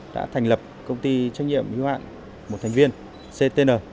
đã thành lập công ty trách nhiệm hiếu hạn một thành viên ctn